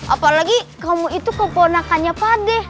apalagi kamu itu keponakannya padeh